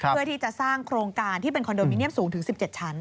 เพื่อที่จะสร้างโครงการที่เป็นคอนโดมิเนียมสูงถึง๑๗ชั้น